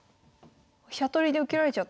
飛車取りで受けられちゃった。